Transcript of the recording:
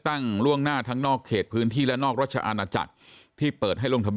ตั้งร่วงหน้าทางนอกเขตพื้นที่และนอกรัชอาณาจัดที่เปิดให้ลง